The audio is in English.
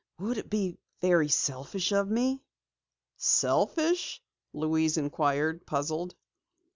"Would it be very selfish of me?" "Selfish?" Louise inquired, puzzled.